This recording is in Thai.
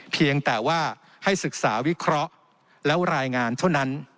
เพียงแต่ว่าให้ศึกษาวิเคราะห์แล้วรายงานเท่านั้น